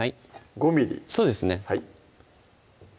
５ｍｍそうですね